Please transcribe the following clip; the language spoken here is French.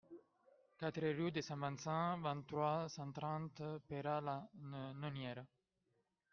quatre rue de Saint-Vincent, vingt-trois, cent trente, Peyrat-la-Nonière